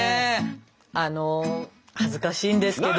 あの恥ずかしいんですけど。